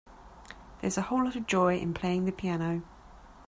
There is a whole lot of joy in playing piano.